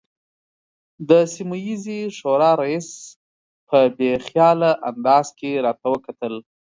د سیمه ییزې شورا رئیس په بې خیاله انداز کې راته وکتل.